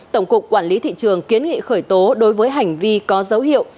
tổng cục quản lý thị trường kiến nghị khởi tố đối với hành vi có dấu hiệu